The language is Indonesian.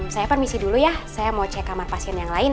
saya permisi dulu ya saya mau cek kamar pasien yang lain